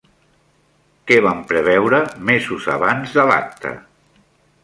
Què van preveure mesos abans de l'acte?